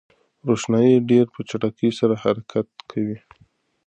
روښنايي ډېر په چټکۍ سره حرکت کوي.